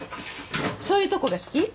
そういうとこが好き？